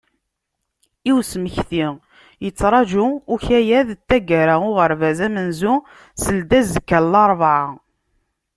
I usemekti, yetturaǧu ukayad n taggara n uɣerbaz amenzu seldazekka n larebɛa.